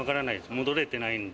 戻れてないんで。